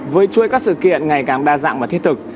với chuỗi các sự kiện ngày càng đa dạng và thiết thực